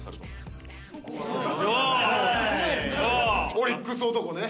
オリックス男ね。